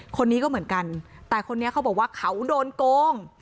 คนนี้ก็เหมือนกันแต่คนนี้เขาบอกว่าเขาโดนโกง